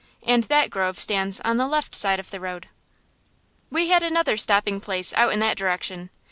And that grove stands on the left side of the road. We had another stopping place out in that direction.